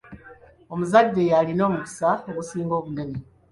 Omuzadde y'alina omukisa ogusinga obunene.